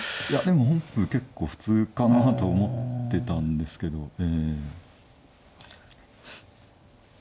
いやでも本譜結構普通かなと思ってたんですけど。